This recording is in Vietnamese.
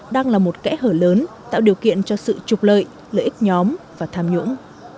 đang là một kẽ hở lớn tạo điều kiện cho sự trục lợi lợi ích nhóm và tham nhũng